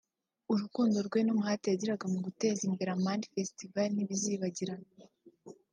urukundo rwe n’umuhate yagiraga mu guteza imbere Amani Festival ntibizabagirana